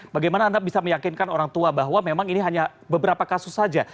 bagaimana anda bisa meyakinkan orang tua bahwa memang ini hanya beberapa kasus saja